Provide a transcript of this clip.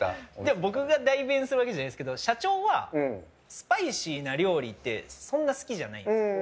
僕が代弁するわけじゃないですけど社長は、スパイシーな料理ってそんなに好きじゃないんです。